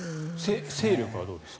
勢力はどうですか？